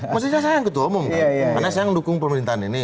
maksudnya saya yang dukung pemerintahan ini